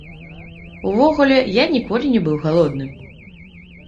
Увогуле, я ніколі не быў галодным.